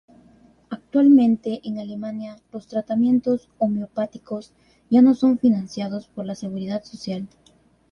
Actualmente, en Alemania, los tratamientos homeopáticos ya no son financiados por la Seguridad Social.